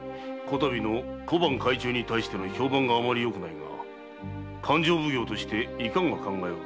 小判改鋳に対する評判があまり良くないが勘定奉行としていかが考えておる？